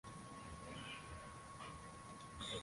Watoto wa shangazi wangu wana kiherehere sana.